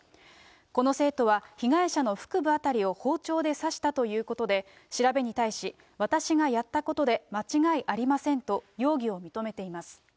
この生徒は、被害者の腹部辺りを包丁で刺したということで、調べに対し、私がやったことで間違いありませんと、容疑を認めています。